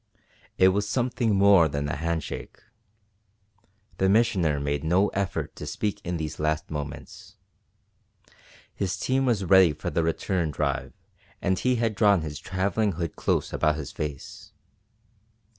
It was something more than a hand shake. The Missioner made no effort to speak in these last moments. His team was ready for the return drive and he had drawn his travelling hood close about his face.